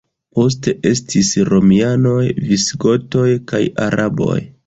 Poste estis romianoj, visigotoj kaj araboj.